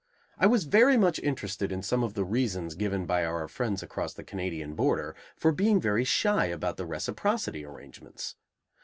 I was very much interested in some of the reasons given by our friends across the Canadian border for being very shy about the reciprocity arrangements.